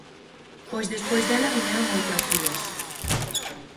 Pois despois dela viñeron outras dúas.